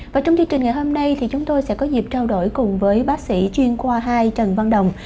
và trong chương trình ngày hôm nay thì chúng tôi sẽ có dịp trao đổi cùng với bác sĩ chuyên khoa hai trần văn đồng